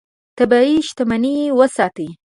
طبیعي شتمنۍ وساتې.